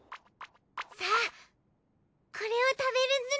さあこれを食べるズラ。